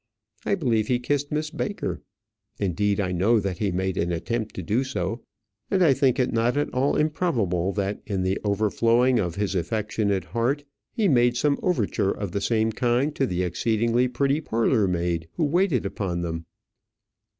I believe he kissed Miss Baker. Indeed, I know that he made an attempt to do so; and I think it not at all improbable that in the overflowing of his affectionate heart, he made some overture of the same kind to the exceedingly pretty parlour maid who waited upon them.